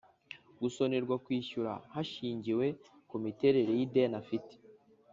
gusonerwa kwishyura hashingiwe ku miterere yideni afite